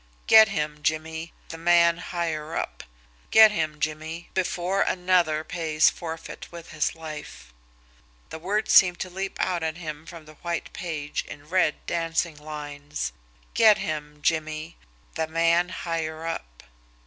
"Get him, Jimmie the man higher up. Get him, Jimmie before another pays forfeit with his life" the words seemed to leap out at him from the white page in red, dancing lines "Get him Jimmie the man higher up."